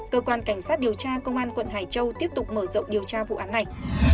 cơ quan cảnh sát điều tra công an quận hải châu tiếp tục mở rộng điều tra vụ án này